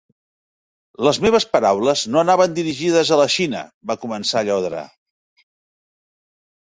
"Les meves paraules no anaven dirigides a la Xina", va començar Llodra.